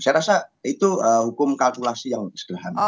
saya rasa itu hukum kalkulasi yang sederhana